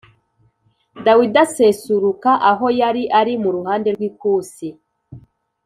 Dawidi asesuruka aho yari ari mu ruhande rw’ikusi